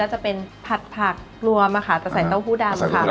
จะเป็นผัดผักรวมค่ะจะใส่เต้าหู้ดำค่ะ